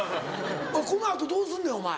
この後どうすんねんお前。